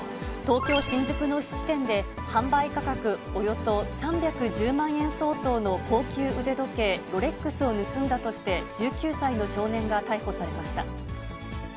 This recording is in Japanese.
東京・新宿の質店で、販売価格およそ３１０万円相当の高級腕時計、ロレックスを盗んだとして、１９歳の少年が逮捕されました。